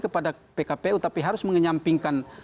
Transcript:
kepada pkpu tapi harus menyampingkan